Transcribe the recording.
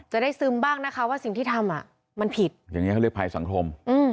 ซึมบ้างนะคะว่าสิ่งที่ทำมันผิดอย่างนี้เขาเรียกภัยสังคม